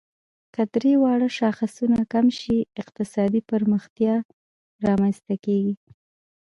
که درې واړه شاخصونه کم شي، اقتصادي پرمختیا رامنځ ته کیږي.